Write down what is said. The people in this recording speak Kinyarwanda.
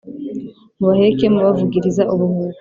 Mubaheke mubavugiriza ubuhuha